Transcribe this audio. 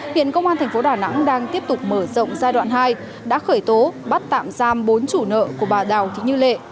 hiện công an thành phố đà nẵng đang tiếp tục mở rộng giai đoạn hai đã khởi tố bắt tạm giam bốn chủ nợ của bà đào thị như lệ